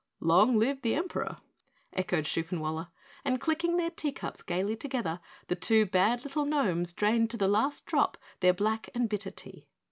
"Long live the Emperor!" echoed Shoofenwaller, and clicking their teacups gaily together, the two bad little Gnomes drained to the last drop their black and bitter tea.